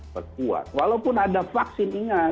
perkuat walaupun ada vaksin ingat